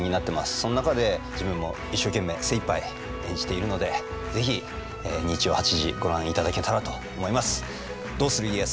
その中で自分も一生懸命精いっぱい演じているので是非日曜８時ご覧いただけたらと思います。